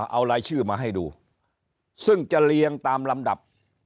เอารายชื่อมาให้ดูซึ่งจะเรียงตามลำดับ